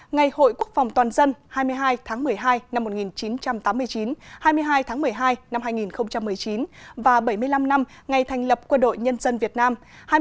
ngày hội quốc phòng toàn dân hai mươi hai tháng một mươi hai năm một nghìn chín trăm tám mươi chín hai mươi hai tháng một mươi hai năm hai nghìn một mươi chín và bảy mươi năm năm ngày thành lập quân đội nhân dân việt nam